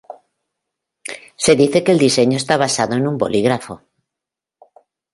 Se dice que el diseño está basado en un bolígrafo.